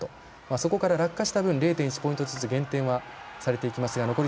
そこから、落下した分０．１ポイントずつ減点されていきます。